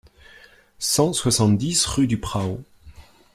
cent soixante-dix rue du Prao